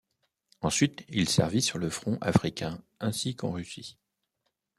Ensuite, il servit sur le front africain ainsi qu'en Russie.